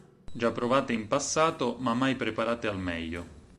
Già provate in passato, ma mai preparate al meglio.